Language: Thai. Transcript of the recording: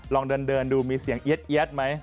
ลองเดินดูมีเสียงเอี๊ยดไหม